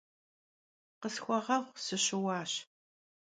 Khısxueğeğu, sışıuaş.